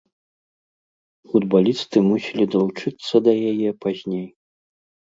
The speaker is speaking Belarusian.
Футбалісты мусілі далучыцца да яе пазней.